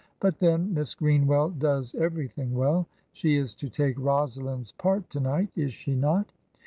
"But then, Miss Greenwell does everything well. She is to take Rosalind's part to night, is she not?"